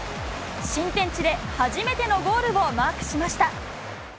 新天地で初めてのゴールをマークしました。